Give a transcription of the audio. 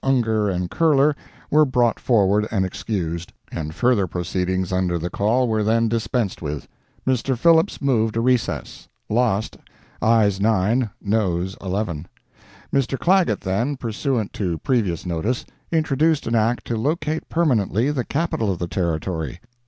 Ungar and Curler, were brought forward and excused, and further proceedings under the call were then dispensed with. Mr. Phillips moved a recess. Lost ayes 9, noes 1l. Mr. Clagett then, pursuant to previous notice, introduced an Act to locate permanently the Capital of the Territory.